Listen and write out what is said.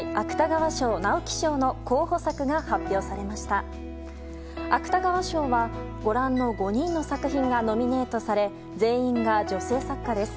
芥川賞はご覧の５人の作品がノミネートされ全員が女性作家です。